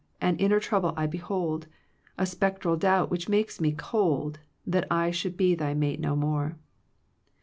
An inner trouble I behold, A spectral doubt which makes me cold, That I shouU be thy mate no more.